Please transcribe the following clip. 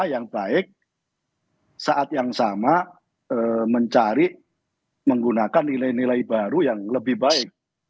yang baik saat yang sama mencari menggunakan nilai nilai baru yang lebih baik